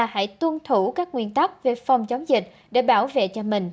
hãy tuân thủ các nguyên tắc về phòng chống dịch để bảo vệ cho mình